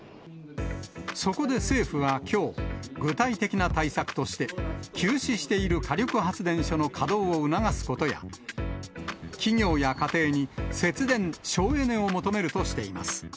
そこで政府はきょう、具体的な対策として、休止している火力発電所の稼働を促すことや、企業や家庭に節電・省エネを求めるとしています。